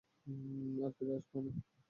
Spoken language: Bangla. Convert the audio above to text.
আর ফিরে আসব না।